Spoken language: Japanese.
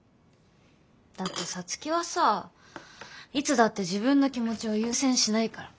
だって皐月はさいつだって自分の気持ちを優先しないから。